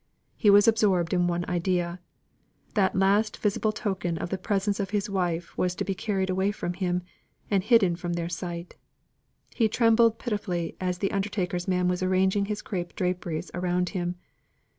He was absorbed in one idea that the last visible token of the presence of his wife was to be carried away from him, and hidden from his sight. He trembled pitifully as the undertaker's man was arranging his crape draperies around him.